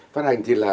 phát hành thì là